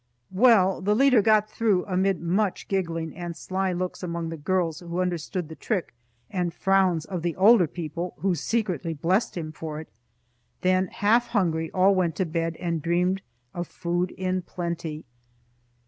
Well, the leader got through amid much giggling and sly looks among the girls who understood the trick, and frowns of the older people (who secretly blessed him for it). Then, half hungry, all went to bed and dreamed of food in plenty.